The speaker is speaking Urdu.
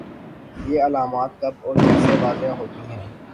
یہ علامات کب اور کیسے واضح ہوتی ہیں